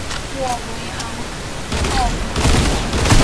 诺维昂奥普雷。